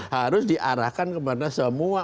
harus diarahkan kepada semua